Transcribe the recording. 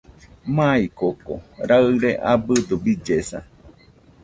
Maikoko raɨre abɨdo billesa